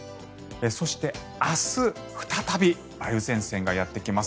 そして、明日再び梅雨前線がやってきます。